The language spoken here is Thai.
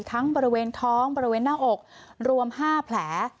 บริเวณท้องบริเวณหน้าอกรวม๕แผล